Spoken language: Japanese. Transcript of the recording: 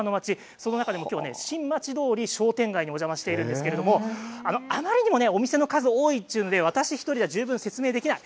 その中でも新町通り商店街にお邪魔しているんですけれどもあまりにもお店の数多いというので私１人で十分説明できない。